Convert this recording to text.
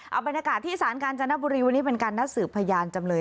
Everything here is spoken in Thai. เอาบรรยากาศที่ศาลกาญจนบุรีวันนี้เป็นการนัดสืบพยานจำเลย